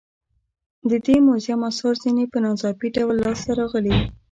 د دې موزیم اثار ځینې په ناڅاپي ډول لاس ته راغلي.